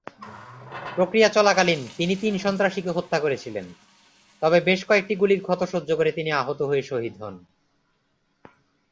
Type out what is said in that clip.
প্রক্রিয়া চলাকালীন, তিনি তিন সন্ত্রাসীকে হত্যা করেছিলেন, তবে বেশ কয়েকটি গুলির ক্ষত সহ্য করে তিনি আহত হয়ে শহীদ হন।